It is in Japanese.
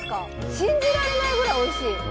信じられないぐらいおいしい！